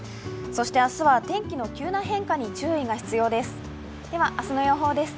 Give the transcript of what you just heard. そして明日は天気の急な変化に注意が必要です。